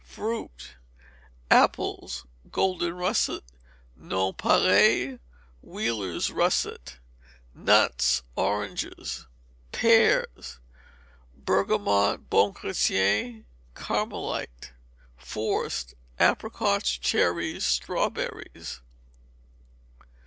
Fruit. Apples: Golden russet, nonpareil, Wheeler's russet. Nuts, oranges. Pears: Bergamot, Bon Chrétien, Carmelite. Forced: Apricots, cherries, strawberries.